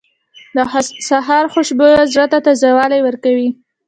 • د سهار خوشبو زړه ته تازهوالی ورکوي.